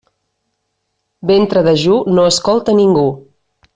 Ventre dejú no escolta a ningú.